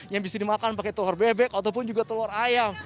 yang bisa dimakan pakai telur bebek ataupun juga telur ayam